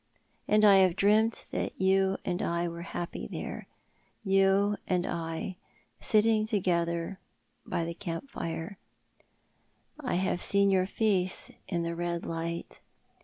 And I have dreamt that you and I were happy there— you and I sitting together by the camp fire. I have seen your face in the red light!